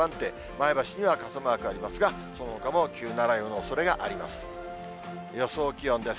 前橋には傘マークありますが、そのほかも急な雷雨のおそれがあります。